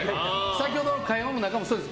先ほどの会話の中でもそうです。